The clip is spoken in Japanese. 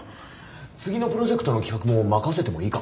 次のプロジェクトの企画も任せてもいいか？